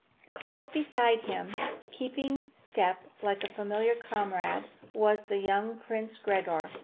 Close beside him, keeping step like a familiar comrade, was the young Prince Gregor.